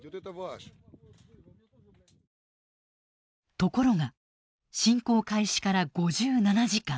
ところが侵攻開始から５７時間